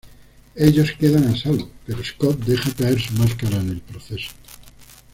Ellos quedan a salvo, pero Scott deja caer su máscara en el proceso.